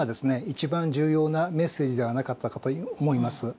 一番重要なメッセージではなかったかと思います。